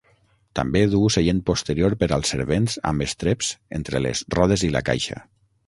També duu seient posterior per als servents amb estreps entre les rodes i la caixa.